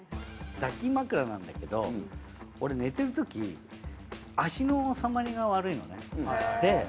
抱き枕なんだけど俺寝てるとき足のおさまりが悪いのね。